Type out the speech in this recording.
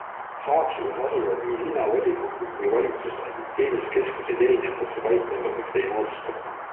Haapsalus asuvad nii linnavolikogu kui -valitsuse ning teenuskeskuseid erinevatesse paikkondadesse ei moodustata.